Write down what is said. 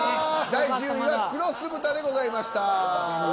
第１０位は黒酢豚でございました。